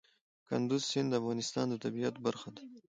کندز سیند د افغانستان د طبیعت برخه ده.